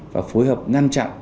và phối hợp năn chặn